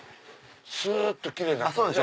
すっとキレイになって。